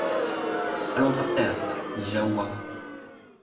Allons par terre ! dit Jahoua.